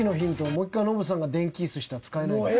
もう１回ノブさんが電気イスしたら使えないです？